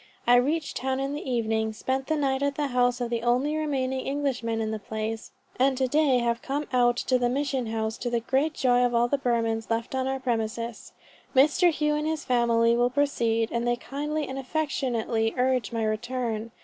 I reached town in the evening, spent the night at the house of the only remaining Englishman in the place, and to day have come out to the mission house, to the great joy of all the Burmans left on our premises. Mr. Hough and his family will proceed, and they kindly and affectionately urge my return.